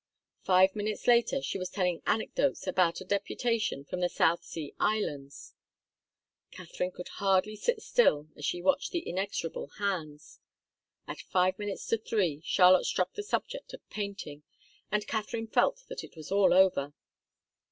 Five minutes later she was telling anecdotes about a deputation from the South Sea Islands. Katharine could hardly sit still as she watched the inexorable hands. At five minutes to three Charlotte struck the subject of painting, and Katharine felt that it was all over.